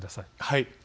はい。